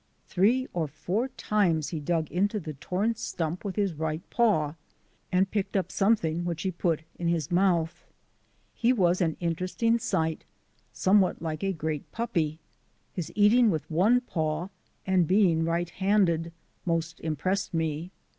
Three or four times he dug into the torn stump with his right paw and picked up something which he put in his mouth. He was an interesting sight, somewhat like a great puppy. His eating with one paw and being right handed most impressed me.